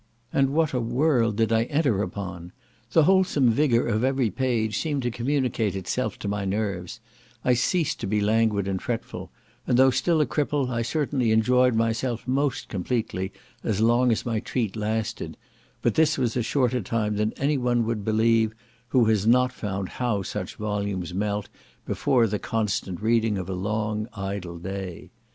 And what a world did I enter upon! The wholesome vigour of every page seemed to communicate itself to my nerves; I ceased to be languid and fretful, and though still a cripple, I certainly enjoyed myself most completely, as long as my treat lasted; but this was a shorter time than any one would believe, who has not found how such volumes melt, before the constant reading of a long idle day.